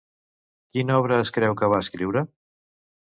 Quina obra es creu que va escriure?